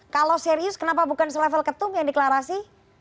kalau serius kenapa bukan selevel ketum yang deklarasi